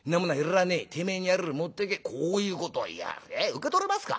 受け取れますか？